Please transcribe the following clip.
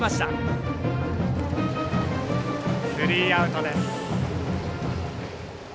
スリーアウトです。